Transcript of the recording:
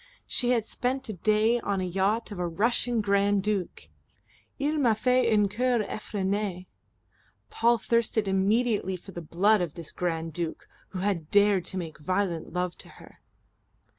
She had spent a day on the yacht of a Russian Grand Duke. "Il m'a fait une cour effrenee" Paul thirsted immediately for the blood of this Grand Duke, who had dared to make violent love to her.